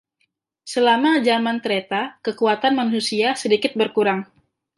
Selama Zaman Treta, kekuatan manusia sedikit berkurang.